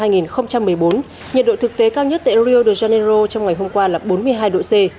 nhiệt độ thực tế cao nhất tại rio de janeiro trong ngày hôm qua là bốn mươi hai độ c